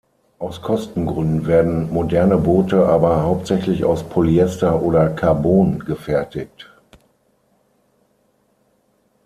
Aus Kostengründen werden moderne Boote aber hauptsächlich aus Polyester oder Carbon gefertigt.